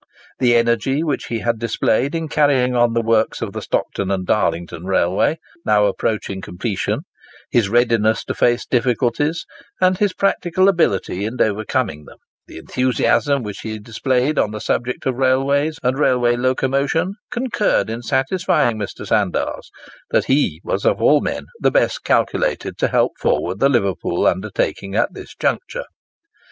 The energy which he had displayed in carrying on the works of the Stockton and Darlington Railway, now approaching completion; his readiness to face difficulties, and his practical ability in overcoming them; the enthusiasm which he displayed on the subject of railways and railway locomotion,—concurred in satisfying Mr. Sandars that he was, of all men, the best calculated to help forward the Liverpool undertaking at this juncture.